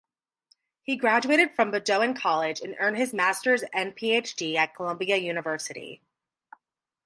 He graduated from Bowdoin College, and earned his master's and PhD at Columbia University.